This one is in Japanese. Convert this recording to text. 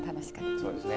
そうですね。